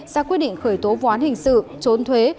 sẽ quyết định khởi tố ván hình sự trốn thuế